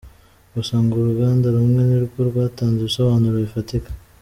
Gusa ngo uruganda rumwe nirwo rwatanze ibisobanuro bifatika.